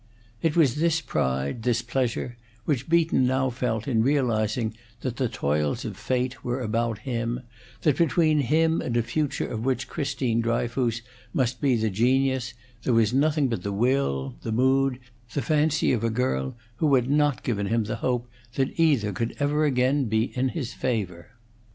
It was this pride, this pleasure, which Beaton now felt in realizing that the toils of fate were about him, that between him and a future of which Christine Dryfoos must be the genius there was nothing but the will, the mood, the fancy of a girl who had not given him the hope that either could ever again be in his favor.